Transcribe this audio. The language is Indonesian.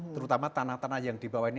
terutama tanah tanah yang di bawah ini